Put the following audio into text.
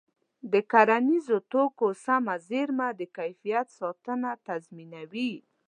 د کرنیزو توکو سمه زېرمه د کیفیت ساتنه تضمینوي.